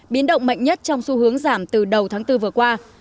biến động mạnh nhất trong xu hướng giảm từ đầu tháng bốn vừa qua